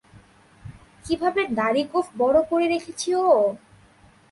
কিভাবে দাড়ি-গোঁফ বড় করে রেখেছি ও!